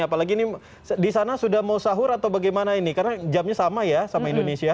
apalagi ini di sana sudah mau sahur atau bagaimana ini karena jamnya sama ya sama indonesia